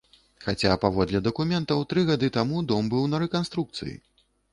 Хаця, паводле дакументаў, тры гады таму дом быў на рэканструкцыі.